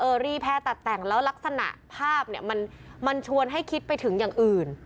อรี่แพร่ตัดแต่งแล้วลักษณะภาพเนี่ยมันชวนให้คิดไปถึงอย่างอื่น